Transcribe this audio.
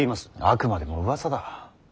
あくまでもうわさだ。